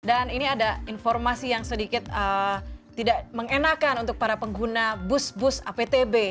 dan ini ada informasi yang sedikit tidak mengenakan untuk para pengguna bus bus aptb